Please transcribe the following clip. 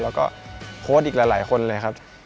แล้วก็โค้ชอีกหลายคนเลยครับ